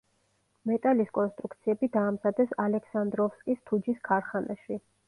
მეტალის კონსტრუქციები დაამზადეს ალექსანდროვსკის თუჯის ქარხანაში.